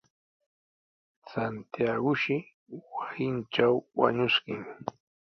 Santiagoshi wasintraw wañuskin.